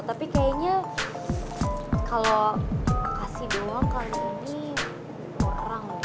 tapi kayaknya kalau kasih doang kalau ini orang